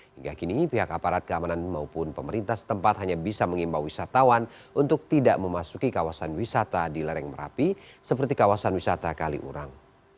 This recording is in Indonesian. hingga kini pihak aparat keamanan maupun pemerintah setempat hanya bisa mengimbau wisatawan untuk tidak memasuki kawasan wisata di lereng merapi seperti kawasan wisata kaliurang